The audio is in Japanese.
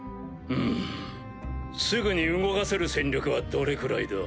ふむすぐに動かせる戦力はどれくらいだ？